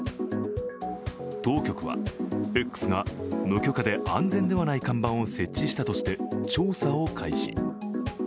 当局はＸが無許可で安全ではない看板を設置したとして調査を開始。